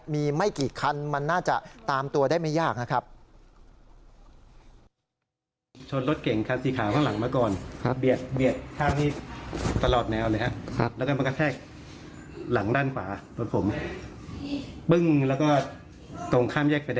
มีไม่กี่คันมันน่าจะตามตัวได้ไม่ยากนะครับ